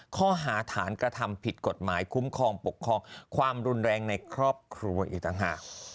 ข้อหาฐานกระทำผิดกฎหมายคุ้มครองปกครองความรุนแรงในครอบครัวอีกต่างหาก